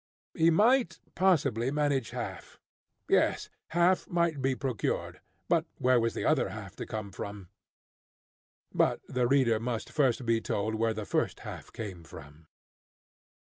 He might possibly manage half. Yes, half might be procured, but where was the other half to come from? But the reader must first be told where the first half came from.